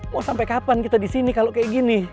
mau sampai kapan kita disini kalau kayak gini